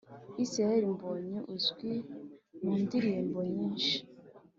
Isirayeli mbonyi uzwi mundirimbo nyinshi